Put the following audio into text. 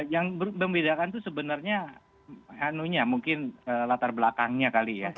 yang membedakan itu sebenarnya anunya mungkin latar belakangnya kali ya